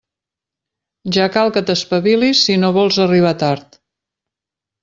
Ja cal que t'espavilis si no vols arribar tard.